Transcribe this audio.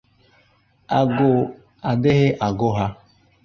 agụụ adịghị agụ ha